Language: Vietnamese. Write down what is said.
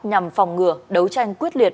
nhằm phòng ngừa đấu tranh quyết liệt